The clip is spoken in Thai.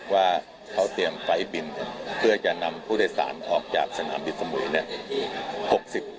ว่าเขาเตรียมไฟล์บินเพื่อจะนำผู้โดยสารออกจากสนามบินสมุยเนี่ย